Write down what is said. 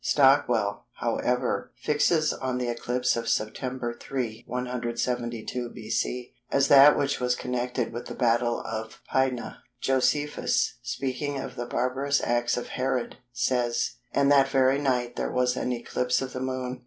Stockwell, however, fixes on the eclipse of September 3, 172 B.C. as that which was connected with the Battle of Pydna. Josephus speaking of the barbarous acts of Herod, says:—"And that very night there was an eclipse of the Moon."